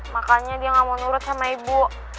makanya dia gak mau nurut sama ibu